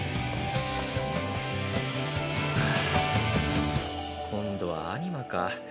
はぁ今度はアニマか。